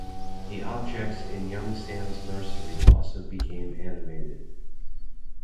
The objects in Young Sam's nursery also become animated.